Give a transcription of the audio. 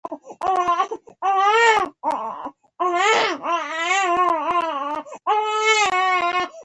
دا کمپنۍ د لرې واټن ټیلیفوني خدمتونه چمتو کوي.